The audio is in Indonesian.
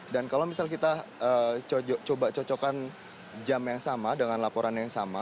dan kalau misalnya kita coba cocokkan jam yang sama dengan laporan yang sama